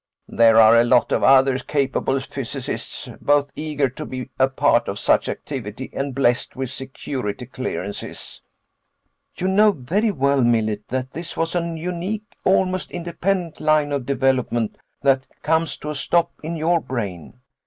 "There are a lot of other capable physicists, both eager to be a part of such activity and blessed with security clearances." "You know very well, Millet, that this was an unique, almost independent line of development that comes to a stop in your brain.